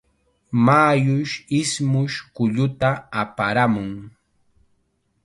Mayush ismush kulluta aparamun.